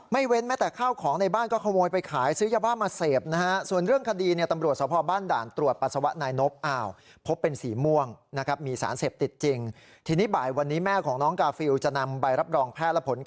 เว้นแม้แต่ข้าวของในบ้านก็ขโมยไปขายซื้อยาบ้ามาเสพนะฮะ